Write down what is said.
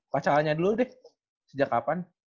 pacarannya dulu deh sejak kapan